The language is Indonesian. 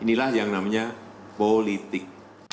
inilah yang namanya politik